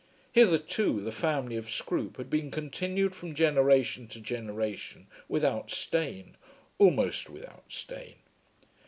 Hitherto the family of Scroope had been continued from generation to generation without stain, almost without stain.